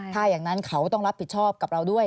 ถ้าอย่างนั้นเขาต้องรับผิดชอบกับเราด้วย